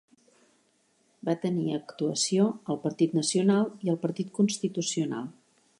Va tenir actuació al Partit Nacional i al Partit Constitucional.